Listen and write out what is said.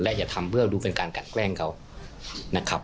และอย่าทำเพื่อดูเป็นการกัดแกล้งเขา